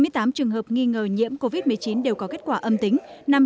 chín mươi tám trường hợp nghi ngờ nhiễm covid một mươi chín đều có kết quả âm tính